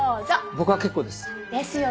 僕は結構です。ですよね。